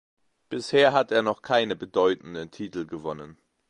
Bisher hat er noch keine bedeutenden Titel gewonnen.